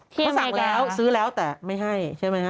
เขาสั่งแล้วซื้อแล้วแต่ไม่ให้ใช่ไหมฮะ